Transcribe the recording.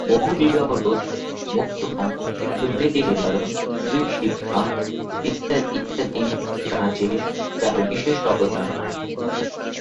বহুবিবাহ রোধ, মদ্যপান, দুর্নীতি নিবারণ, স্ত্রী শিক্ষা বিস্তার ইত্যাদি কাজে তার বিশেষ অবদান আছে।